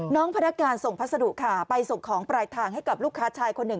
พนักงานส่งพัสดุค่ะไปส่งของปลายทางให้กับลูกค้าชายคนหนึ่ง